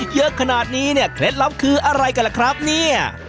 เยอะขนาดนี้เนี่ยเคล็ดลับคืออะไรกันล่ะครับเนี่ย